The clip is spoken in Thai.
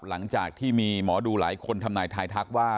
หลังจากที่มีหมอดูหลายคนทำนายทายทักว่า